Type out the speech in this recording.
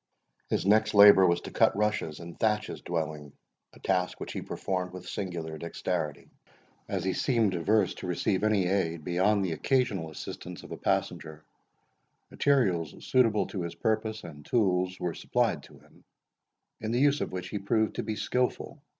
His next labour was to cut rushes and thatch his dwelling, a task which he performed with singular dexterity. As he seemed averse to receive any aid beyond the occasional assistance of a passenger, materials suitable to his purpose, and tools, were supplied to him, in the use of which he proved to be skilful.